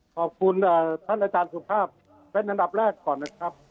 ขอบคุณท่านอาจารย์สุภาพเป็นอันดับแรกก่อนนะครับ